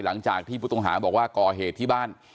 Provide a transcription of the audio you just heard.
หลังจากที่บุฒึงหาบอกว่า